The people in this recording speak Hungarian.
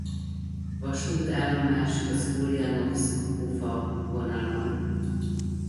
Vasútállomás az Uljanovszk–Ufa vonalon.